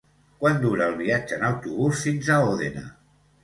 Quant dura el viatge en autobús fins a Òdena?